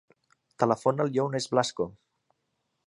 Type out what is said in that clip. Telefona al Younes Blasco.